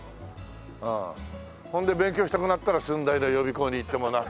ほんで勉強したくなったら駿台の予備校に行ってもらう。